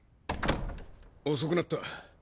遅くなった。